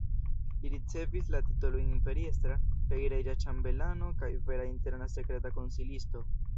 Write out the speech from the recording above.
Li ricevis la titolojn imperiestra kaj reĝa ĉambelano kaj vera interna sekreta konsilisto.